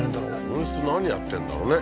温室何やってるんだろうね